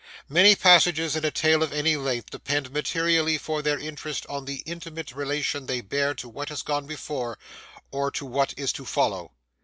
Many passages in a tale of any length, depend materially for their interest on the intimate relation they bear to what has gone before, or to what is to follow.